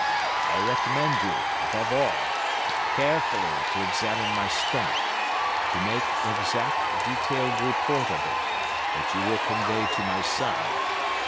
I recommend you, above all, carefully to examine my stomach, to make an exact detailed report of it, which you will convey to my son.